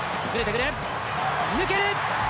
抜ける！